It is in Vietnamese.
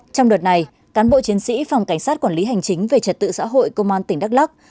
trong đợt này cán bộ chiến sĩ phòng cảnh sát quản lý hành chính về trật tự xã hội công an tỉnh đắk lắc